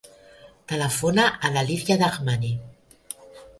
Telefona a l'Alícia Dahmani.